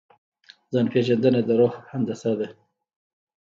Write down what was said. ځان پېژندنه د روح هندسه ده.